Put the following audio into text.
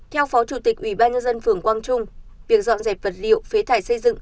theo phó chủ tịch ủy ban nhân dân phường quang trung việc dọn dẹp vật liệu phế thải xây dựng